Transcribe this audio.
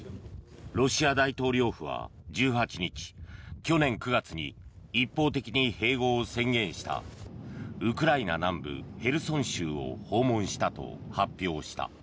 ロシア大統領府は１８日去年９月に一方的に併合を宣言したウクライナ南部ヘルソン州を訪問したと発表した。